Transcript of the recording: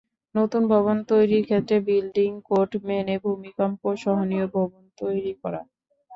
নতুন ভবন তৈরির ক্ষেত্রে বিল্ডিং কোড মেনে ভূমিকম্প সহনীয় ভবন তৈরি করা।